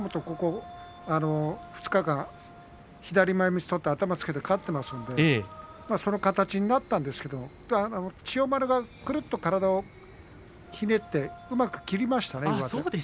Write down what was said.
ここ２日間左前みつを取って頭をつけて勝っていますからその形になったんですが千代丸がくるっと体をひねってうまく上手を切りましたね。